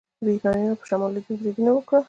یونانیانو په شمال لویدیځ بریدونه وکړل.